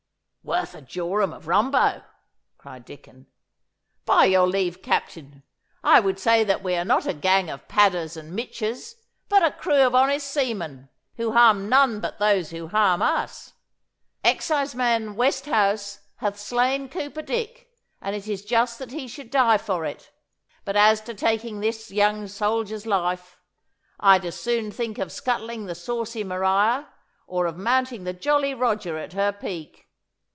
'Worth a jorum of rumbo,' cried Dicon. 'By your leave, Captain, I would say that we are not a gang of padders and michers, but a crew of honest seamen, who harm none but those who harm us. Exciseman Westhouse hath slain Cooper Dick, and it is just that he should die for it; but as to taking this young soldier's life, I'd as soon think of scuttling the saucy Maria, or of mounting the Jolly Roger at her peak.